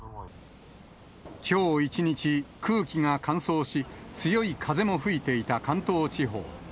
きょう一日、空気が乾燥し、強い風も吹いていた関東地方。